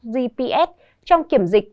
gps trong kiểm dịch